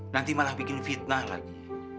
nanti malah bikin fitnah lagi